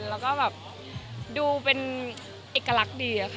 แล้วก็แบบดูเป็นเอกลักษณ์ดีอะค่ะ